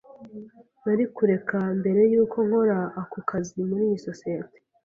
Nari kureka mbere yuko nkora ako kazi muri iyi sosiyete.